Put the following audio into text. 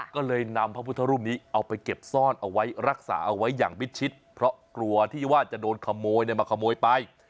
ก็เลยนำพระพุทธรูปนี้เอาไปเก็บซ่อนเอาไว้รักษาเอาไว้อย่างมิดชิดเพราะกลัวที่ว่าจะโดนขโมยมาขโมยไป